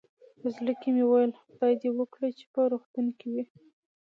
په زړه کې مې ویل، خدای دې وکړي چې په روغتون کې وي.